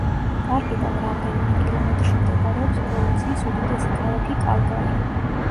პარკიდან რამდენიმე კილომეტრში მდებარეობს პროვინციის უდიდესი ქალაქი კალგარი.